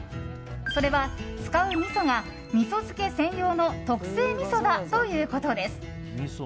それは使うみそが味噌漬け専用の特製みそだということです。